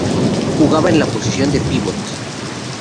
Jugaba en la posición de pívot.